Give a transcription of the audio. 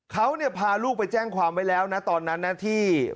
เขาเนี่ยพาลูกไปแจ้งความไว้แล้วนะตอนนั้นนะที่